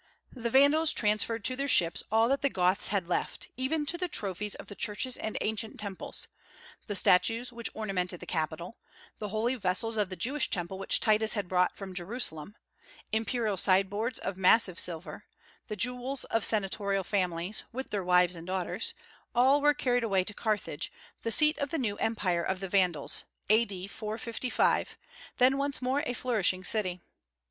The Vandals transferred to their ships all that the Goths had left, even to the trophies of the churches and ancient temples; the statues which ornamented the capital, the holy vessels of the Jewish temple which Titus had brought from Jerusalem, imperial sideboards of massive silver, the jewels of senatorial families, with their wives and daughters, all were carried away to Carthage, the seat of the new Empire of the Vandals, A.D. 455, then once more a flourishing city.